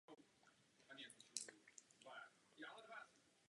Za třetí, jaký je časový rámec pro zvolnění vízových povinností?